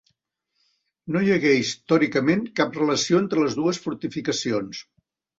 No hi hagué històricament cap relació entre les dues fortificacions.